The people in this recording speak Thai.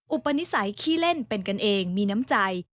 อุปนิสัยขี้เล่นเป็นกันเองมีน้ำใจ